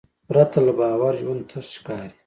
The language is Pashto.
پرته له باور ژوند تش ښکاري.